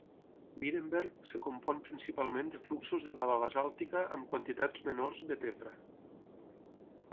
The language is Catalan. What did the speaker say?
Beerenberg es compon principalment de fluxos de lava basàltica amb quantitats menors de tefra.